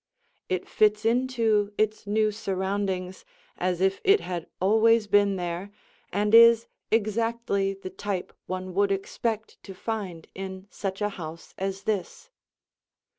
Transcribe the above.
It fits into its new surroundings as if it had always been there and is exactly the type one would expect to find in such a house as this.